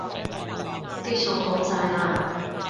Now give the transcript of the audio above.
啲餸凍晒喇